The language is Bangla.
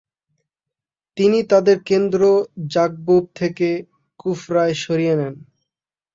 তিনি তাদের কেন্দ্র জাগবুব থেকে কুফরায় সরিয়ে নেন।